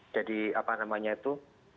jadi apa namanya itu